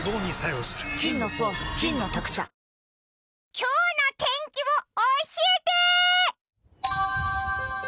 今日の天気を教えて！